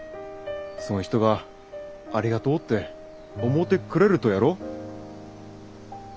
そん人はありがとうって思うてくれるとやろ？